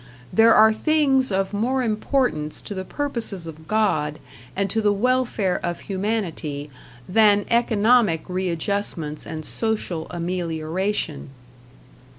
There are things of more importance to the purposes of God and to the welfare of humanity than economic readjustments and social amelioration.